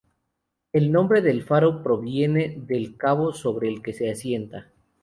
El nombre del faro proviene del cabo sobre el que se asienta.